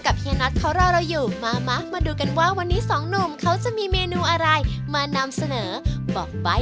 ขอบคุณมากครับพี่โอ๊คครับ